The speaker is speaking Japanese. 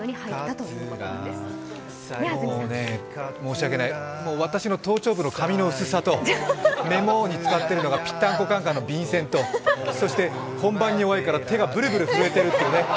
もうね、申し訳ない、私の頭頂部の髪の薄さとメモに使っているのが「ぴったんこカン・カン」の便せんとそして、本番に弱いから手がブルブル震えてるっていうね。